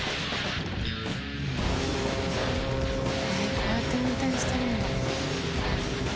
こうやって運転してるんだ。